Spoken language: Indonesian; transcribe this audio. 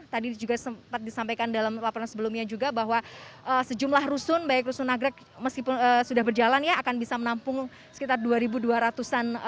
tadi juga sempat disampaikan dalam laporan sebelumnya juga bahwa sejumlah rusun baik rusun nagrek meskipun sudah berjalan ya akan bisa menampung sekitar dua dua ratus an